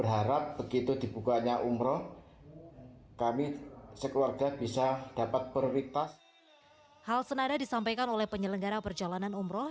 hal senada disampaikan oleh penyelenggara perjalanan umroh